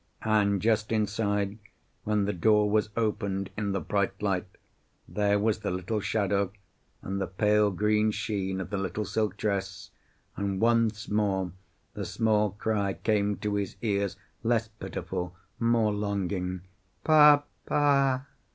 And just inside, when the door was opened, in the bright light, there was the little shadow, and the pale green sheen of the little silk dress, and once more the small cry came to his ears, less pitiful, more longing. "Pa pa!"